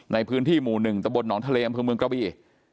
ในพื้นที่หมู่๑ตะบลหนองทะเลอำเภอเมืองกระบี